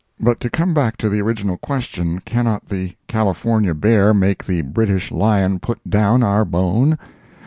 But to come back to the original question, cannot the California Bear make the British Lion put down our bone?